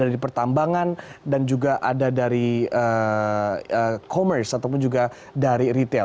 dari pertambangan dan juga ada dari commerce ataupun juga dari retail